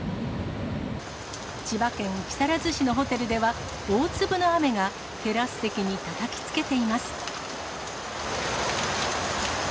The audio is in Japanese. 千葉県木更津市のホテルでは、大粒の雨がテラス席にたたきつけています。